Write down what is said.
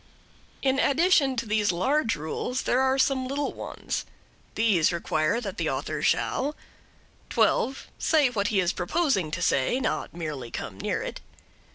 In addition to these large rules there are some little ones. These require that the author shall: 12. Say what he is proposing to say, not merely come near it.